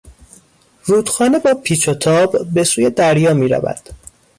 رودخانه با پیچ و تاب به سوی دریا میرود.